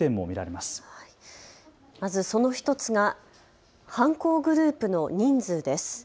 まずその１つが犯行グループの人数です。